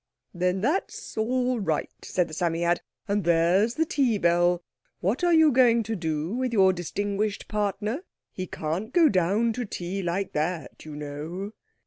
"Then that's all right," said the Psammead; "and there's the tea bell. What are you going to do with your distinguished partner? He can't go down to tea like that, you know."